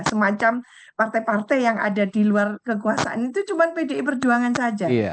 semacam partai partai yang ada di luar kekuasaan itu cuma pdi perjuangan saja